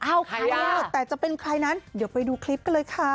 เอาใครแต่จะเป็นใครนั้นเดี๋ยวไปดูคลิปกันเลยค่ะ